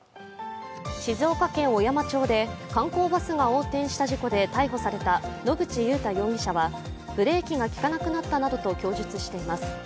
静岡県小山町で観光バスが横転した事故で逮捕された野口祐太容疑者はブレーキが利かなくなったなどと供述しています。